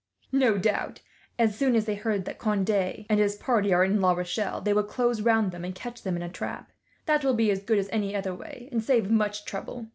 "No doubt, as soon as they hear that Conde and his party are in La Rochelle, they will close round them and catch them in a trap. That will be as good as any other way, and save much trouble.